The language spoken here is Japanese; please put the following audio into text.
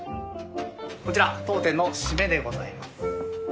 こちら当店の締めでございます。